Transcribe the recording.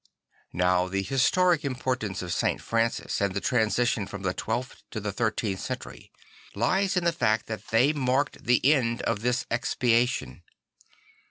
Now the historic importance of St. Francis and the transition from the twelfth to the thirteenth century, lies in the fact that they marked the end of this expiation.